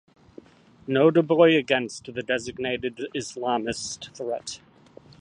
Notably against the designated islamist threat.